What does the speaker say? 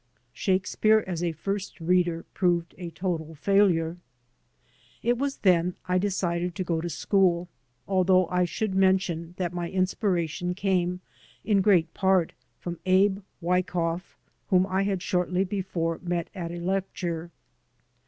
Shakespeare as a first reader proved a total failure. It was then I decided to go to school, although I should mention that my inspiration came in great part from Abe WykoflF, whom I had shortly before met at a lecture.